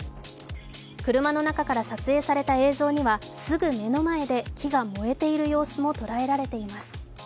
車の中から撮影された映像には、すぐ目の前で木が燃えている様子も捉えられています。